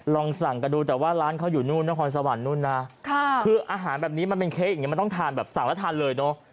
ลองสั่งกันดูแต่ว่าร้านเขาอยู่นู่นต้องทานแล้วทานเลยเนอะ